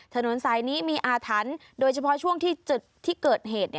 ถนนสายนี้มีอาถรรพ์โดยเฉพาะช่วงที่จุดที่เกิดเหตุ